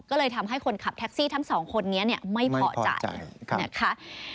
ก็เลยทำให้คนขับแท็กซี่ทั้งสองคนนี้ไม่พอใจนะคะ